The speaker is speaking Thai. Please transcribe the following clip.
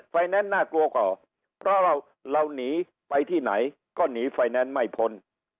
แนนซ์น่ากลัวกว่าเพราะเราหนีไปที่ไหนก็หนีไฟแนนซ์ไม่พ้น